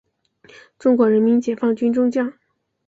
中国人民解放军中将。